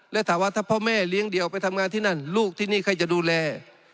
และถามว่าถ้าพ่อแม่เลี้ยงเดี่ยวไปทำงานที่นั่นลูกที่นี่ใครจะดูแล